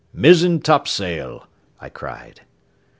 "Mizzen topsail!" I cried.